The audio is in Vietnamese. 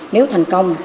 nếu thành công